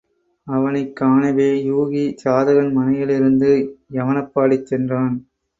அவனைக் காணவே யூகி சாதகன் மனையிலிருந்து யவனப்பாடி சென்றான்.